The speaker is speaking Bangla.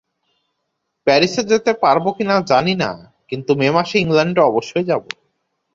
প্যারিসে যেতে পারব কিনা জানি না, কিন্তু মে মাসে ইংলণ্ডে অবশ্যই যাব।